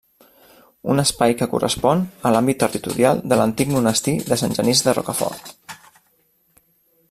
Un espai que correspon a l'àmbit territorial de l'antic monestir de Sant Genís de Rocafort.